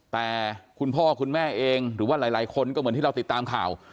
แต่คุณพ่อคุณแม่เองหรือว่าหลายคนก็เหมือนที่เราติดตามข่าว